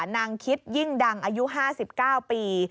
นางคิดยิ่งดังอายุ๕๙ปี